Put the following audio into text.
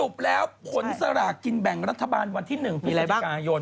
ผลสลากกินแบ่งรัฐบาลวันที่๑ปีศาจิกายน